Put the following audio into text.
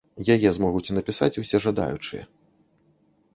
Яе змогуць напісаць усе жадаючыя.